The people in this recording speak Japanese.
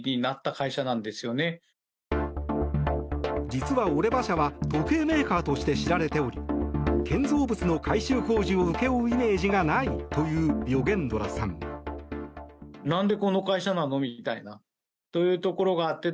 実はオレバ社は時計メーカーとして知られており建造物の改修工事を請け負うイメージがないというヨゲンドラさん。